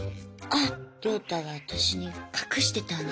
あっ亮太が私に隠してたんだわ